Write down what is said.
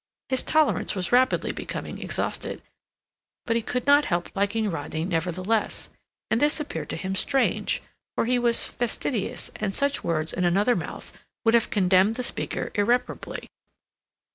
His tolerance was rapidly becoming exhausted, but he could not help liking Rodney nevertheless, and this appeared to him strange, for he was fastidious, and such words in another mouth would have condemned the speaker irreparably.